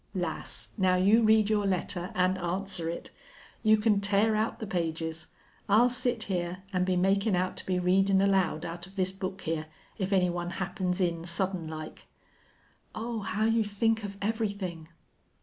"Lass, now you read your letter an' answer it. You can tear out the pages. I'll sit here an' be makin' out to be readin' aloud out of this book here, if any one happens in sudden like!" "Oh, how you think of everything!"